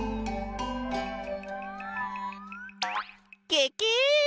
ケケ！